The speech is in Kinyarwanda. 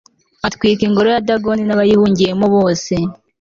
atwika 'ingoro ya dagoni n'abayihungiyemo bose